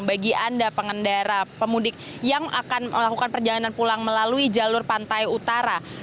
bagi anda pengendara pemudik yang akan melakukan perjalanan pulang melalui jalur pantai utara